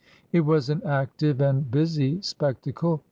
It was an active and busy spectacle.